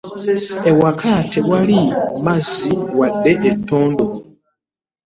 Ewakka teriyo mazzi wadde etondo.